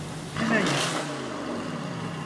Hemen yap!